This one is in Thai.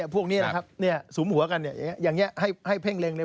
พวกนี้ล่ะครับสูมหัวกันอย่างนี้ให้เพ่งเร็งเลย